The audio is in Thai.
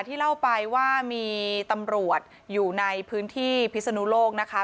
เล่าไปว่ามีตำรวจอยู่ในพื้นที่พิศนุโลกนะคะ